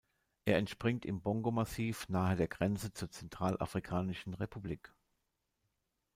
Er entspringt im Bongo-Massiv, nahe der Grenze zur Zentralafrikanischen Republik.